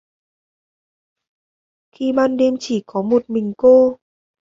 Khi ban đêm chỉ có một mình cô